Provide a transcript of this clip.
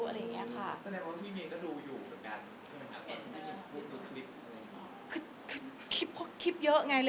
แสดงว่าที่มีก็ดูอยู่กัน